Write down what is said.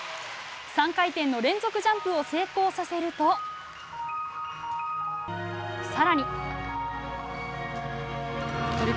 ３回転の連続ジャンプを成功させると、更に。